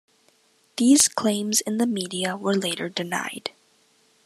These claims in the media were later denied.